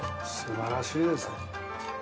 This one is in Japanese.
素晴らしいですね。